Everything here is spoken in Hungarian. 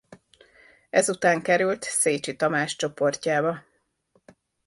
Ezután került Széchy Tamás csoportjába.